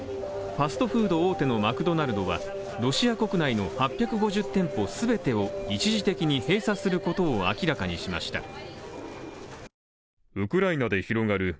ファストフード大手のマクドナルドはロシア国内の８５０店舗全てを一時的に閉鎖することを明らかにしました。